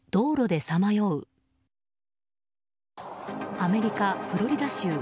アメリカ・フロリダ州。